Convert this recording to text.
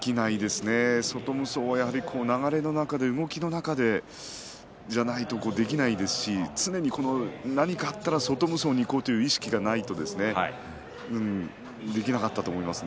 外無双は動きの中の流れの中でないとできないですし何かあったら外無双にいこうという意識がないとできなかったと思いますね。